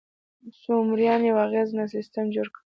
سومریان یو اغېزناک سیستم جوړ کړ.